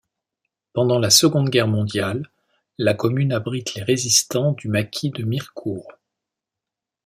Pendant la Seconde Guerre mondiale, la commune abrite les résistants du maquis de Mirecourt.